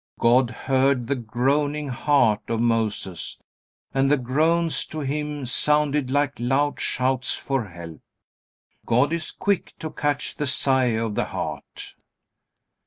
God heard the groaning heart of Moses and the groans to Him sounded like loud shouts for help. God is quick to catch the sigh of the heart.